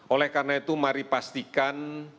oleh karena itu mari pastikan